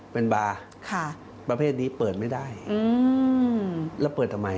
เป็นบาร์ประเภทนี้เปิดไม่ได้แล้วเปิดทำไม